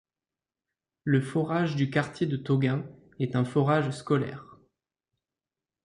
Le forage du quartier de Toguin est un forage scolaire.